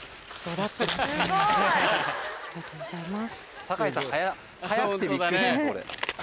ありがとうございます。